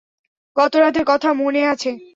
গত রাতের কথা মনে আছে?